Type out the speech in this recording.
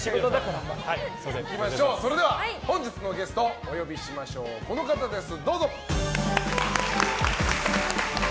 それでは本日のゲストお呼びしましょうこの方です！